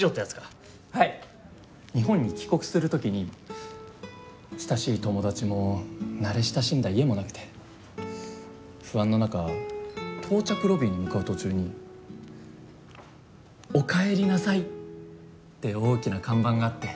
日本に帰国する時に親しい友達も慣れ親しんだ家もなくて不安の中到着ロビーに向かう途中に「おかえりなさい」って大きな看板があって。